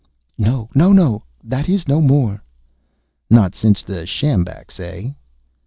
"No, no, no. That is no more." "Not since the sjambaks, eh?"